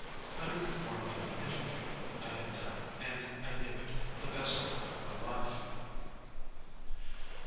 Under the form of an interview I had done, and I knew it, the best work of my life.